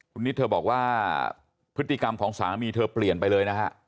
คุณนิดเธอบอกว่าพฤติกรรมของสามีเธอเปลี่ยนไปเลยนะฮะ